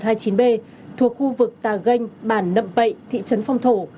thuộc khu vực tà ganh bản nậm pậy thị trấn phong thổ